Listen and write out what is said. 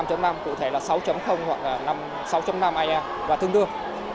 cụ thể là sáu hoặc sáu năm ia và thương đương